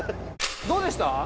どうでした？